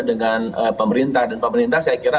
dengan pemerintah dan pemerintah saya kira